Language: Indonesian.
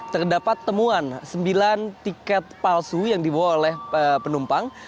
terdapat temuan sembilan tiket palsu yang dibawa oleh penumpang